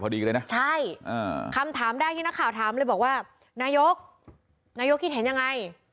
เลยนะใช่คำถามแรกที่นักข่าวถามเลยบอกว่านายกนายกคิดเห็นยังไง